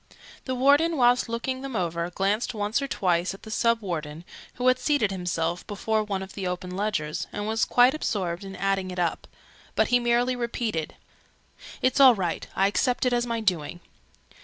The Warden, whilst looking them over, glanced once or twice at the Sub Warden, who had seated himself before one of the open ledgers, and was quite absorbed in adding it up; but he merely repeated "It's all right. I accept it as my doing."